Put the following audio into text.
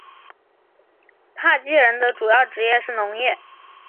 帕基人的主要职业是农业。